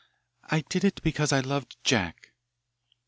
"I did it because I loved Jack."